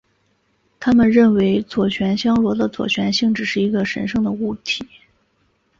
他们认为左旋香螺的左旋性质是一个神圣的物体。